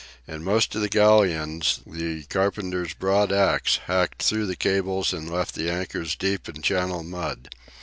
In most of the galleons the carpenter's broad axe hacked through the cables and left the anchors deep in Channel mud.